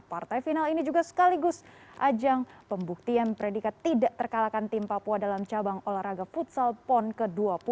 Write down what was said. partai final ini juga sekaligus ajang pembuktian predikat tidak terkalahkan tim papua dalam cabang olahraga futsal pon ke dua puluh